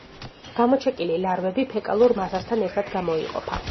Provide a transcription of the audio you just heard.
გამოჩეკილი ლარვები ფეკალურ მასასთან ერთად გამოიყოფა.